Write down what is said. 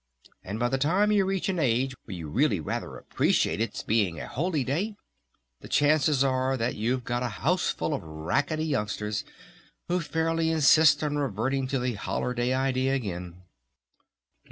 And by the time you reach an age where you really rather appreciate its being a holy day the chances are that you've got a houseful of racketty youngsters who fairly insist on reverting to the 'holler' day idea again."